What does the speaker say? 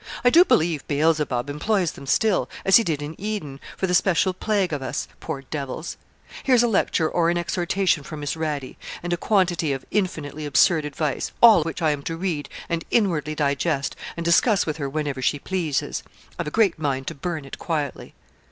I do believe Beelzebub employs them still, as he did in Eden, for the special plague of us, poor devils. Here's a lecture or an exhortation from Miss Radie, and a quantity of infinitely absurd advice, all which I am to read and inwardly digest, and discuss with her whenever she pleases. I've a great mind to burn it quietly.'